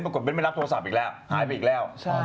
เบ้นไม่รับโทรศัพท์อีกแล้วหายไปอีกแล้ว